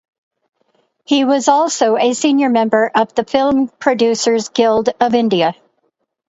He was also a senior member of the Film Producers Guild of India.